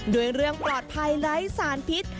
ด้วยเรื่องปลอดภัยไร้สารพิษ